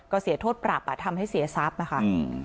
ก็เสียโทษปรับอ่ะทำให้เสียทรัพย์นะคะ